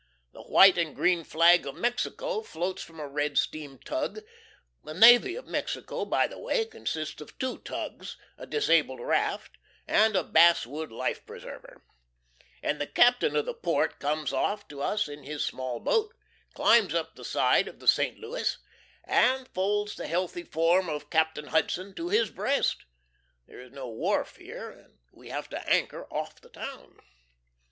The white and green flag of Mexico floats from a red steam tug (the navy of Mexico, by the way, consists of two tugs, a disabled raft, and a basswood life preserver), and the Captain of the Port comes off to us in his small boat, climbs up the side of the St. Louis, and folds the healthy form of Captain Hudson to his breast. There is no wharf here, and we have to anchor off the town.